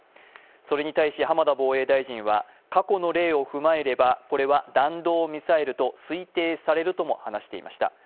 それに対し、浜田防衛大臣は過去の例を踏まえればこれは弾道ミサイルと推定されるとも話していました。